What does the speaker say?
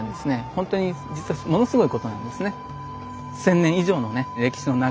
本当に実はものすごいことなんですね。